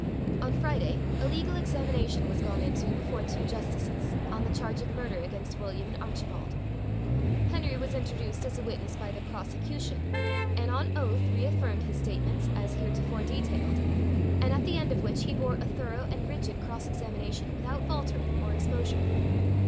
On Friday a legal examination was gone into before two Justices, on the charge of murder against William and Archibald. Henry was introduced as a witness by the prosecution, and on oath re affirmed his statements, as heretofore detailed, and at the end of which he bore a thorough and rigid cross examination without faltering or exposure.